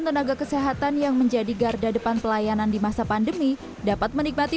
tenaga kesehatan yang menjadi garda depan pelayanan di masa pandemi dapat menikmati